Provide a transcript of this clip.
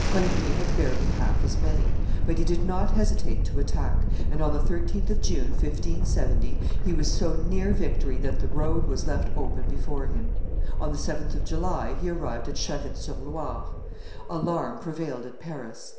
Coligny had barely half as many; but he did not hesitate to attack, and on the 13th of June, 1570, he was so near victory that the road was left open before him. On the 7th of July he arrived at Charite sur Loire. Alarm prevailed at Paris.